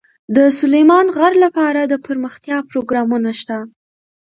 د سلیمان غر لپاره دپرمختیا پروګرامونه شته.